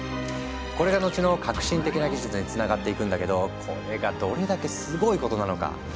これがのちの革新的な技術につながっていくんだけどこれがどれだけすごいことなのか。